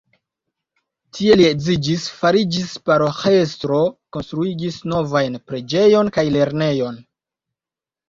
Tie li edziĝis, fariĝis paroĥestro, konstruigis novajn preĝejon kaj lernejon.